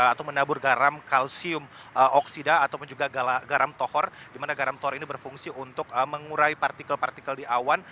atau menabur garam kalsium oksida ataupun juga garam tohor di mana garam tor ini berfungsi untuk mengurai partikel partikel di awan